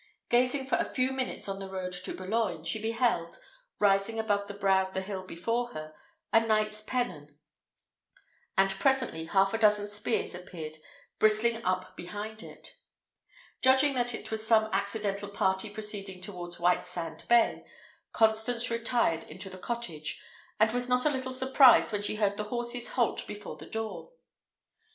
Gazing for a few minutes on the road to Boulogne, she beheld, rising above the brow of the hill before her, a knight's pennon, and presently half a dozen spears appeared bristling up behind it. Judging that it was some accidental party proceeding towards Whitesand Bay, Constance retired into the cottage, and was not a little surprised when she heard the horses halt before the door.